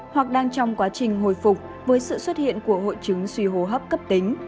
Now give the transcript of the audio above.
hoặc đang trong quá trình hồi phục với sự xuất hiện của hội chứng suy hồ hấp cấp tính